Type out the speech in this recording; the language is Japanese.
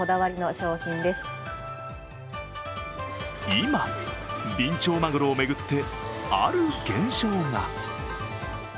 今、ビンチョウマグロを巡って、ある現象が。